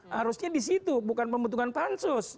harusnya di situ bukan pembentukan pansus